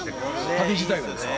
◆竹自体がですか。